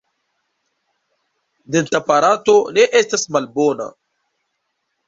Dentaparato ne estas malbona.